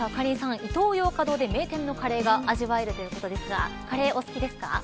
イトーヨーカドーで名店のカレーが味わえるということですがカレー、お好きですか。